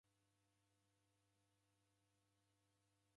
Sigha nimkotie.